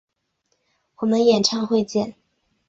我们演唱会见！